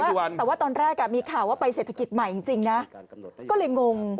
แต่ว่าตอนแรกอ่ะมีข่าวว่าไปเศรษฐกิจใหม่จริงนะก็เลยงง